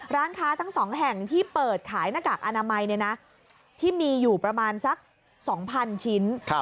ร้านค้าทั้ง๒แห่งที่เปิดขายหน้ากากอนามัยที่มีอยู่ประมาณสัก๒๐๐๐ชิ้น